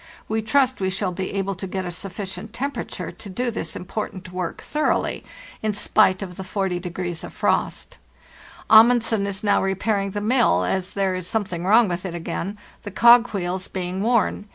We trust we shall be able to get a sufficient tem perature to do this important work thoroughly, in spite 74 PARTHE ST NORTH of the go" of frost. Amundsen is now repairing the mill, as there is something wrong with it again, the cog wheels being worn.